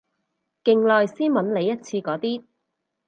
勁耐先搵你一次嗰啲